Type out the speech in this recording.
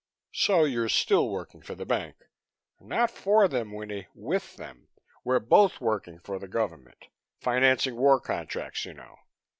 "So you're still working for the bank?" "Not for them, Winnie. With them. We're both working for the government. Financing war contracts, you know.